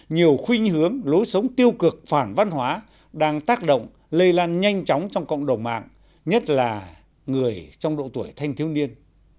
nhiều khuyên hướng lối sống tiêu cực phản văn hóa đang tác động lây lan nhanh chóng trong cộng đồng mạng nhất là người trong độ tuổi thanh thiếu niên